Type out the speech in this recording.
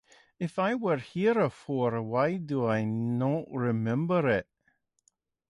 If I were here before, why do I not remember it?